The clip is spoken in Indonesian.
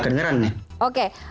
maaf maaf suaranya tidak keringat